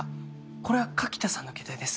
これは柿田さんのケータイです。